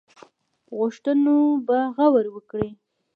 غوښتنو به غور وکړي.